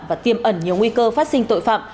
và tiêm ẩn nhiều nguy cơ phát sinh tội phạm